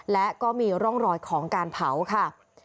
และก็มีร่องรอยของการเผาค่ะ